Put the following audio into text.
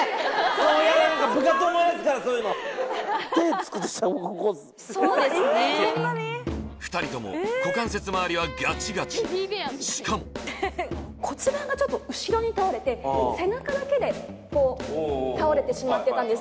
もうヤダ部活思い出すからそういうの手つこうとしたらもうここっす２人とも股関節まわりはガチガチしかも骨盤がちょっと後ろに倒れて背中だけでこう倒れてしまってたんです